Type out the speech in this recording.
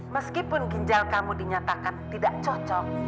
meskipun ginjal kamu dinyatakan tidak cocok